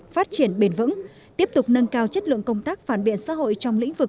phát triển bền vững tiếp tục nâng cao chất lượng công tác phản biện xã hội trong lĩnh vực